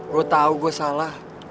lu tau gua salah